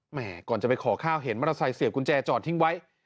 ก่อนจะไปขอข้าวเห็นมอเตอร์ไซค์เสียบกุญแจจอดทิ้งไว้